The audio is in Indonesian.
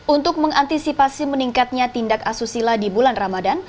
untuk mengantisipasi meningkatnya tindak asusila di bulan ramadan